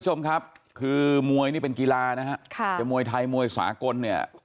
คุณผู้ชมครับคือมวยนี่เป็นกีฬานะฮะค่ะจะมวยไทยมวยสากลเนี่ย